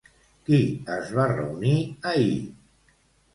Qui es va reunir ahir?